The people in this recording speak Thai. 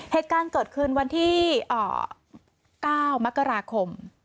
เหตุการณ์เกิดขึ้นวันที่๙มกราคม